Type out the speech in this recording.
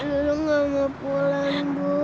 luluh gak mau pulang bu